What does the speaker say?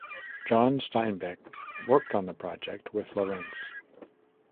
John Steinbeck worked on the project with Lorentz.